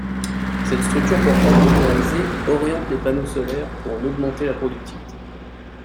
Cette structure portante motorisée oriente les panneaux solaires pour en augmenter la productivité.